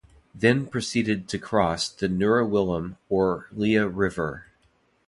Then proceeded to cross the Nuriwillum or Lea River.